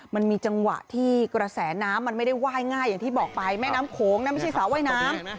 มันมีจังหวะที่กระแสน้ำมันไม่ได้ไหว้ง่ายอย่างที่บอกไปแม่น้ำโขงนะไม่ใช่สระว่ายน้ำ